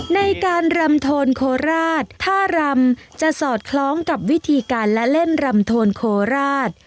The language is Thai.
ในการรำโทนโคราชท่ารำจะสอดคล้องกับวิธีการและเล่นรำโทนโคราช